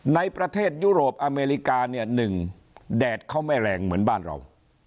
ในประเทศยุโรปอเมริกาเนี่ยหนึ่งแดดเขาไม่แรงเหมือนบ้านเรา